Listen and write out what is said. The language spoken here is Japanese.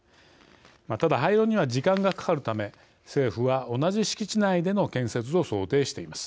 ただ、廃炉には時間がかかるため政府は同じ敷地内での建設を想定しています。